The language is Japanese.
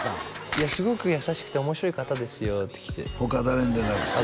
「いやすごく優しくて面白い方ですよ」って来て他誰に連絡したん？